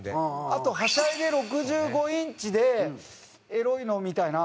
あとハシャいで６５インチでエロいのをみたいな。